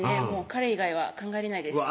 彼以外は考えれないですうわ